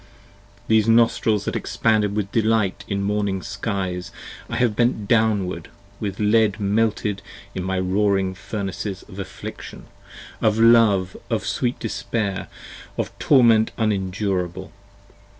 These nostrils that expanded with delight in morning skies 50 I have bent downward with lead melted in my roaring furnaces Of affliction, of love, of sweet despair, of torment unendurable.